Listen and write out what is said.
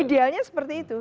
idealnya seperti itu